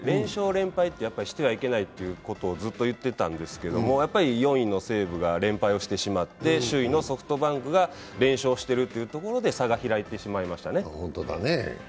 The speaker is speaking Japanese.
連敗ってしてはいけないということをずっと言ってたんですがやっぱり４位の西武が連敗をしてしまって、首位のソフトバンクが連勝してるというところで差が開いてしまいましたね。